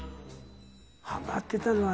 ハマってたのは。